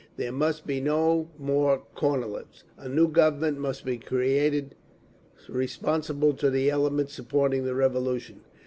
There must be no more Kornilovs. A new Government must be created, responsible to the elements supporting the Revolution.